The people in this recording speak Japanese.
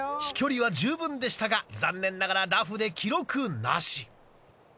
飛距離は十分でしたが残念ながらラフで記録なし。